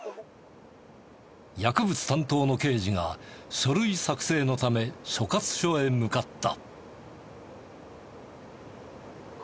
薬物担当の刑事が書類作成のため所轄署へ向かった。